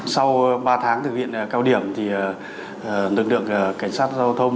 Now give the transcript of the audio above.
sau ba tháng thực hiện cao điểm lực lượng cảnh sát giao thông